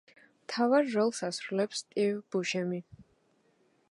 მთავარ როლს ასრულებს სტივ ბუშემი.